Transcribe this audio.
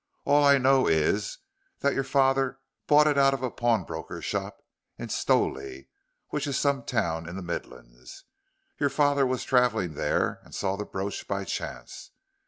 "All I know is that your father bought it out of a pawnbroker's shop in Stowley, which is some town in the Midlands. Your father was travelling there and saw the brooch by chance.